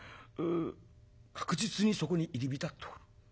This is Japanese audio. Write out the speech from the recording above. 確実にそこに入り浸っておる。